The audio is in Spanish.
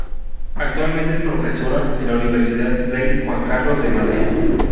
Actualmente es profesora en la Universidad Rey Juan Carlos de Madrid.